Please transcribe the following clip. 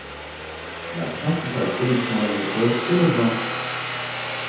La principale production agricole est le vin.